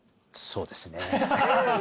そうですね。